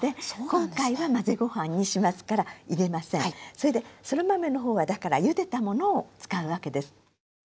それでそら豆の方はだからゆでたものを使うわけです。